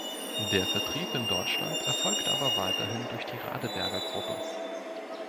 Der Vertrieb in Deutschland erfolgt aber weiterhin durch die Radeberger Gruppe.